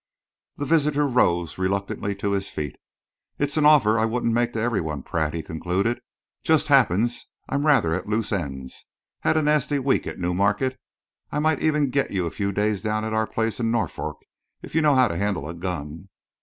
The visitor rose reluctantly to his feet. "It's an offer I wouldn't make to every one, Pratt," he concluded. "Just happens I'm rather at a loose end had a nasty week at Newmarket. I might even get you a few days down at our place in Norfolk, if you know how to handle a gun."